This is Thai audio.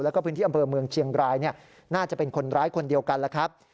แล้วก็พื้นที่อำเภอเมืองเชียงรายน่าจะเป็นคนร้ายคนเดียวกันแล้วครับ